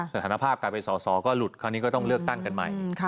สถานภาพการเป็นสอสอก็หลุดคราวนี้ก็ต้องเลือกตั้งกันใหม่